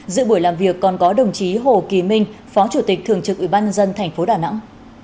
giữa buổi làm việc còn có đồng chí hồ kỳ minh phó chủ tịch thường trực ủy ban nhân dân tp đà nẵng